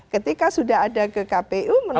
ketika sudah ada ke kpu menurut saya